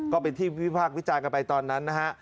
ก็เป็นที่วิพากษ์วิจารณ์กันไปตอนนั้นนะฮะ